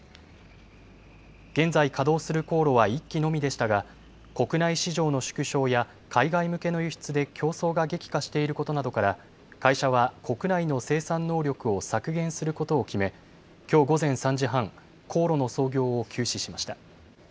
現在、稼働する高炉は１基のみでしたが国内市場の縮小や海外向けの輸出で競争が激化していることなどから会社は国内の生産能力を削減することを決め、きょう午前３時半、高炉の操業を休止しました。